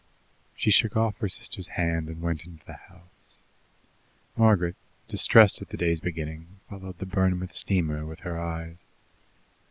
She shook off her sister's hand and went into the house. Margaret, distressed at the day's beginning, followed the Bournemouth steamer with her eyes.